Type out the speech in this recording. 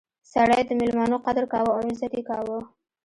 سړی د میلمنو قدر کاوه او عزت یې کاوه.